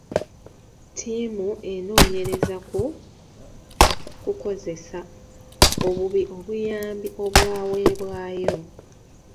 Ttiimu enoonyereza ku kukozesa obubi obuyambi obwaweebwayo.